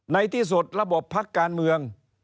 ในที่สุดระบบพักการเมือง